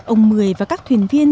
ông mười và các thuyền viên